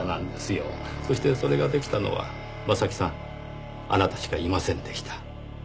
そしてそれが出来たのは正木さんあなたしかいませんでした。